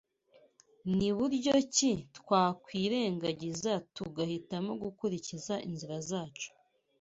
Ni buryo ki twakwirengagiza tugahitamo gukurikiza inzira zacu